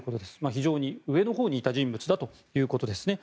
非常に上のほうにいた人物だということですね。